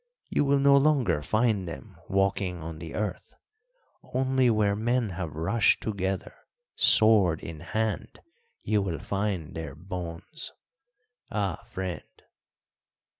You will no longer find them walking on the earth; only where men have rushed together sword in hand you will find their bones. Ah, friend!"